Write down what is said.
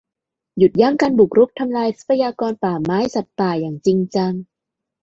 หยุดยั้งการบุกรุกทำลายทรัพยากรป่าไม้ สัตว์ป่า อย่างจริงจัง